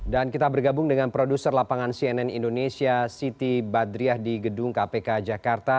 dan kita bergabung dengan produser lapangan cnn indonesia siti badriah di gedung kpk jakarta